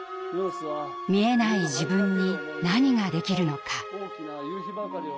見えない自分に何ができるのか。